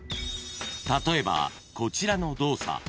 ［例えばこちらの動作］